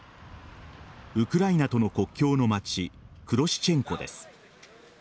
ウクライナとの国境の街クロシチェンコです。